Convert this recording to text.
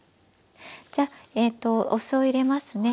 じゃあえっとお酢を入れますね。